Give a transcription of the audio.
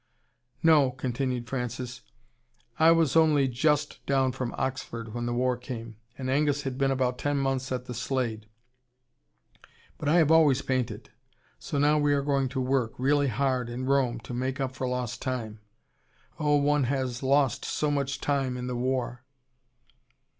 "No," continued Francis. "I was only JUST down from Oxford when the war came and Angus had been about ten months at the Slade But I have always painted. So now we are going to work, really hard, in Rome, to make up for lost time. Oh, one has lost so much time, in the war.